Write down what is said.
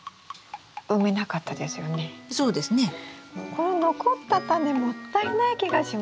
この残ったタネもったいない気がします。